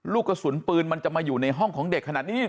ลูกกระสุนปืนมันจะมาอยู่ในห้องของเด็กขนาดนี้